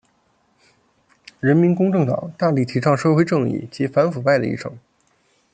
人民公正党大力提倡社会正义及反腐败的议程。